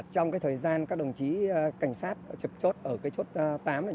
trong cái thời gian các đồng chí cảnh sát trực chốt ở cái chốt tám này